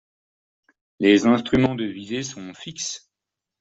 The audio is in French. Les instruments de visée sont fixes.